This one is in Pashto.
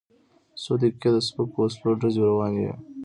څو دقیقې د سپکو وسلو ډزې روانې وې.